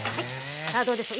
さあどうでしょう。